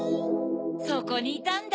そこにいたんだ。